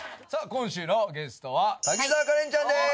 今週のゲストは滝沢カレンちゃんです。